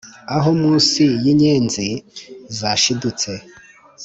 aho, munsi yinyenzi zashidutse,